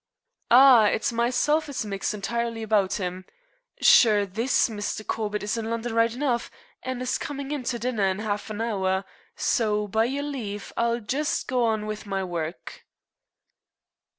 "Arrah, it's meself is mixed intirely about him. Sure this Mr. Corbett is in London right enough, and is comin' in to dinner in half an hour, so by yer lave I'll jist go on wid me wurruk."